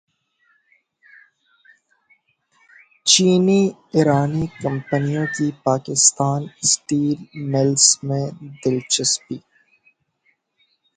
چینی ایرانی کمپنیوں کی پاکستان اسٹیل ملز میں دلچسپی